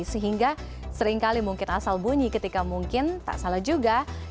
sehingga seringkali mungkin asal bunyi ketika mungkin tak salah juga